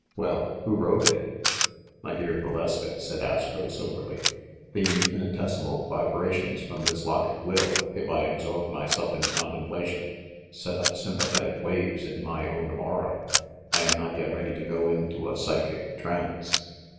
"Well, who wrote it?" "My dear Valeska," said Astro soberly, "the in finitesimal vibrations from this locket will, if I absorb myself in contemplation, set up sympathetic waves in my own aura. I am not yet ready to go into a psychic trance.